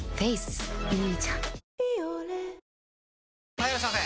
・はいいらっしゃいませ！